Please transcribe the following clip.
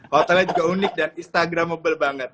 hotelnya juga unik dan instagramable banget